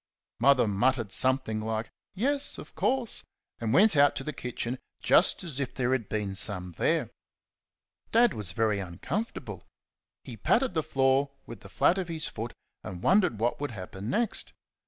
Mother muttered something like "Yes, of course," and went out to the kitchen just as if there had been some there. Dad was very uncomfortable. He patted the floor with the flat of his foot and wondered what would happen next.